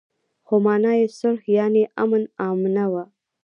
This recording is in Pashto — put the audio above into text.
خو مانا يې صلح يانې امن آمنه وه.